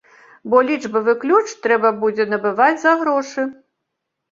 Бо лічбавы ключ трэба будзе набываць за грошы.